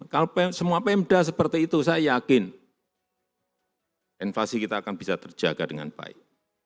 kalau semua pemda seperti itu saya yakin invasi kita akan bisa terjaga dengan baik